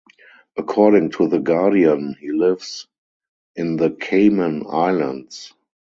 According to The Guardian he lives in the Cayman Islands.